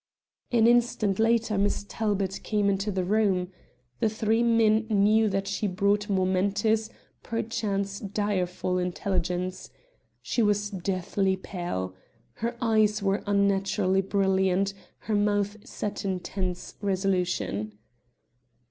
An instant later Miss Talbot came into the room. The three men knew that she brought momentous, perchance direful, intelligence. She was deathly pale. Her eyes were unnaturally brilliant, her mouth set in tense resolution.